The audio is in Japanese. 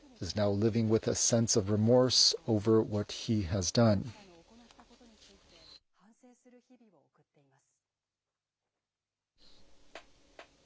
みずからの行ったことについて、反省する日々を送っています。